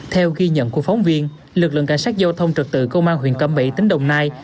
theo ghi nhận của phóng viên lực lượng cảnh sát giao thông trật tự công an huyện cẩm mỹ tỉnh đồng nai